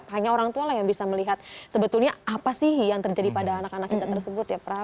hanya orang tua lah yang bisa melihat sebetulnya apa sih yang terjadi pada anak anak kita tersebut ya pra